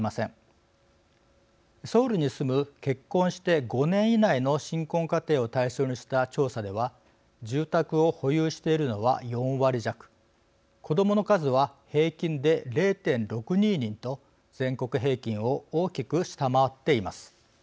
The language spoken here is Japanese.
ソウルに住む結婚して５年以内の新婚家庭を対象にした調査では住宅を保有しているのは４割弱子どもの数は平均で０．６２人と全国平均を大きく下回っています。